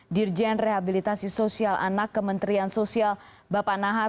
dirjen rehabilitasi sosial anak kementerian sosial bapak nahar